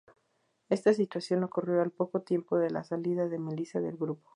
Esta situación ocurrió al poco tiempo de la salida de Melissa del grupo.